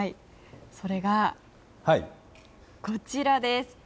それが、こちらです。